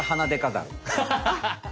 ハハハハ！